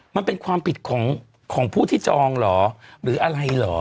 มันเป็นความผิดของผู้ที่จองเหรอหรืออะไรเหรอ